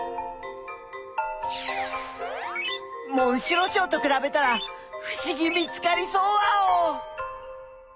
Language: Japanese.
モンシロチョウとくらべたらふしぎ見つかりそうワオ！